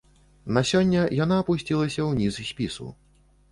На сёння яна апусцілася ў ніз спісу.